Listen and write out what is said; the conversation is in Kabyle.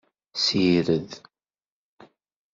Ssired.